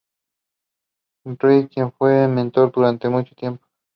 Reid quien fue su mentor durante mucho tiempo.